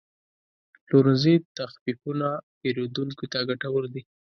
د پلورنځي تخفیفونه پیرودونکو ته ګټور دي.